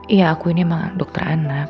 ya aku ini emang dokter anak